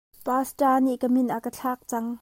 Pastor nih ka min a ka thlak cang.